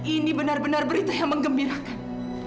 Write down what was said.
ini benar benar berita yang mengembirakan